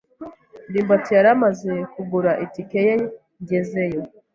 ndimbati yari amaze kugura itike ye ngezeyo.